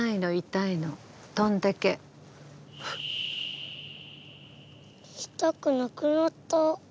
痛くなくなった。